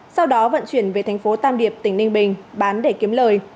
sau đó vận chuyển về tp tam điệp tỉnh ninh bình bán để kiếm lời